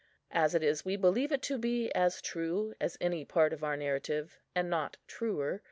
As it is, we believe it to be as true as any part of our narrative, and not truer.